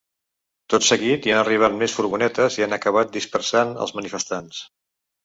Tot seguit, hi han arribat més furgonetes i han acabat dispersant els manifestants.